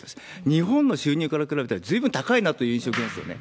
日本の収入から比べたらずいぶん高いなという、印象受けますよね。